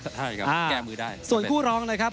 ใช่ครับ๓๓๐๐๐๐บาท